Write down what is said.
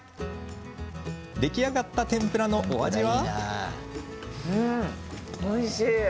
出来上がった天ぷらのお味は？